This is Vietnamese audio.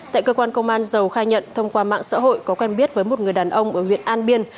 tại cơ quan công an dầu khai nhận thông qua mạng xã hội có quen biết với một người đàn ông ở huyện an biên